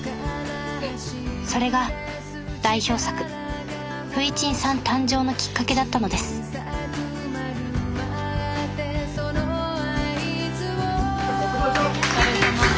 それが代表作「フイチンさん」誕生のきっかけだったのですお疲れさまでした。